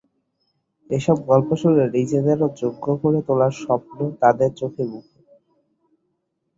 এসব গল্প শুনে নিজেদেরও যোগ্য করে তোলার স্বপ্ন তাদের চোখে মুখে।